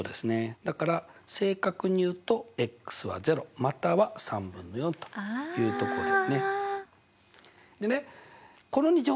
だから正確に言うとは０または３分の４というとこでね。